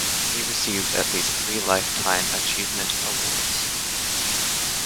He received at least three lifetime achievement awards.